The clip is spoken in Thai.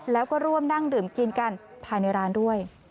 แล้วก็ร่วมนั่งดื่มกินกันภายในร้านด้วย